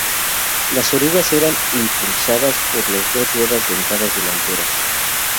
Las orugas eran impulsadas por las dos ruedas dentadas delanteras.